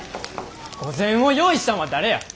御膳を用意したんは誰や！